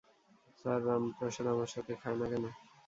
Sir, Ram Prasad আমাদের সাথে খায় না কেন?